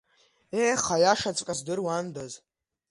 Еҳ, аиашаҵәҟьа здыруандаз?